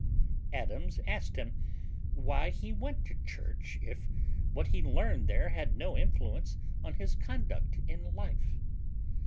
Adams asked him, "Why he went to church, if what he learned there had no influence on his conduct in life?"